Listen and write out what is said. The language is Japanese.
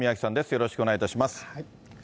よろしくお願いします。